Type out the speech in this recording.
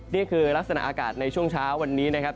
นี่คือลักษณะอากาศในช่วงเช้าวันนี้นะครับ